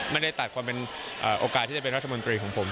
ไม่ได้ตัดความเป็นโอกาสที่จะเป็นรัฐมนตรีของผม